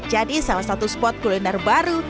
jadi salah satu spot kuliner baru